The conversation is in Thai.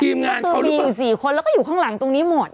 ทีมงานเขารู้ปะก็คือมีอยู่สี่คนแล้วก็อยู่ข้างหลังตรงนี้หมด